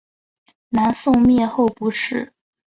南宋灭后不仕。